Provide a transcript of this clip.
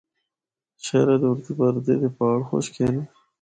شہرا دے اُردے پردے دے پہاڑ خشک ہن۔